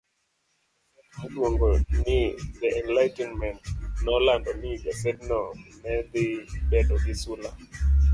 gaset miluongo ni The Enlightenment nolando ni gasedno ne dhi bedo gi sula